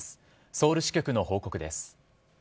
ソウル支局の報告です。